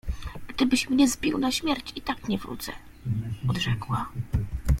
— Gdybyś mnie zbił na śmierć, i tak nie wrócę! — odrzekła.